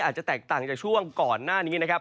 อาจจะแตกต่างจากช่วงก่อนหน้านี้นะครับ